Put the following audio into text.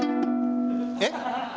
えっ。